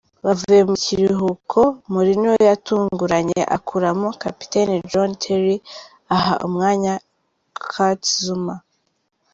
Bavuye mu kiruhuko, Mourinho yatunguranye akuramo kapiteni John Terry aha umwanya Kurt Zouma.